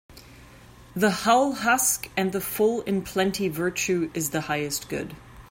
The hull husk and the full in plenty Virtue is the highest good.